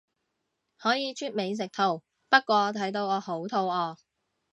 可以出美食圖，不過睇到我好肚餓